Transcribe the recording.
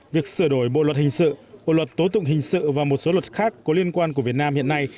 việc sửa đổi bộ luật hình sự bộ luật tố tụng hình sự và một số luật khác có liên quan của việt nam hiện nay